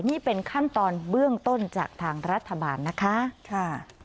นี่เป็นขั้นตอนเบื้องต้นจากทางรัฐบาลนะคะค่ะ